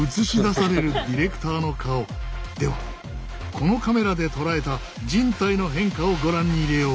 このカメラでとらえた人体の変化をご覧に入れよう。